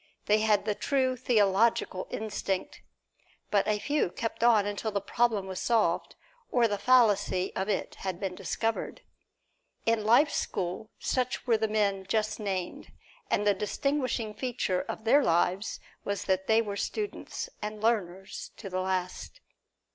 They had the true theological instinct. But a few kept on until the problem was solved, or the fallacy of it had been discovered. In life's school such were the men just named, and the distinguishing feature of their lives was that they were students and learners to the last.